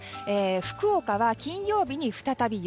福岡は金曜日に再び雪。